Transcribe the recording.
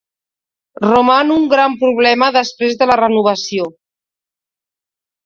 Roman un gran problema després de la renovació.